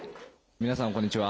皆さんこんにちは。